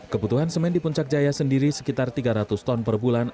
kebutuhan semen di puncak jaya sendiri sekitar tiga ratus ton per bulan